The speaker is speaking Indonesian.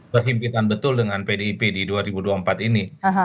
berhimpitan betul dengan pdip di dua ribu dua puluh empat ini